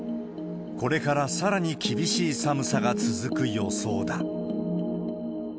これからさらに厳しい寒さが続く予想だ。